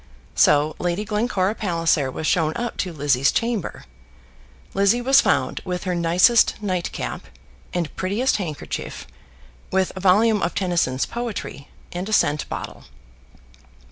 So Lady Glencora Palliser was shown up to Lizzie's chamber. Lizzie was found with her nicest nightcap and prettiest handkerchief, with a volume of Tennyson's poetry, and a scent bottle.